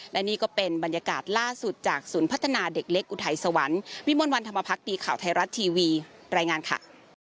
และนี่ก็เป็นบรรยากาศล่าสุดจากศูนย์พัฒนาเด็กเล็กอุทัยสวรรค์วิมวลวันธรรมพักดีข่าวไทยรัฐทีวีรายงานค่ะ